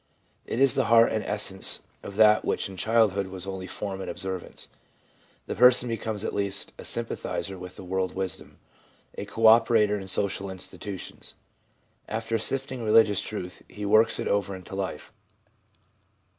It is the heart and essence of that which in childhood was only form and observance. The person becomes at last a sympathiser with the world wisdom, a co operator in social institutions. After sifting religious truth, he works it over into life.